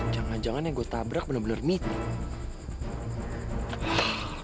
jangan jangan yang gue tabrak bener bener mita